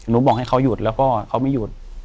บอกให้เขาหยุดแล้วก็เขาไม่หยุด